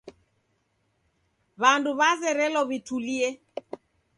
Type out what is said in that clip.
W'andu w'azerelo w'itulie.